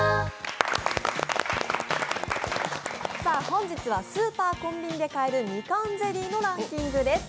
本日はスーパー、コンビニで買えるみかんゼリーのランキングです。